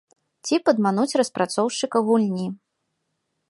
Ці падмануць распрацоўшчыкаў гульні.